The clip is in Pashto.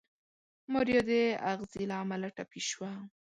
ماريا د اغزي له امله ټپي شوه.